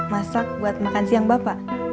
masak buat makan siang bapak